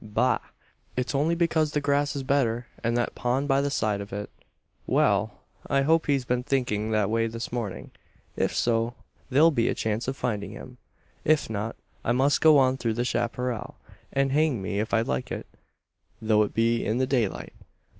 Bah! It's only because the grass is better, and that pond by the side of it. Well! I hope he's been thinking that way this morning. If so, there'll be a chance of finding him. If not, I must go on through the chapparal; and hang me if I like it though it be in the daylight.